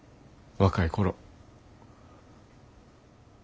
若い頃。